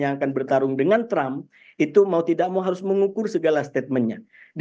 yang akan bertarung dengan trump itu mau tidak mau harus mengukur segala statementnya